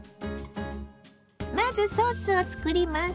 まずソースを作ります。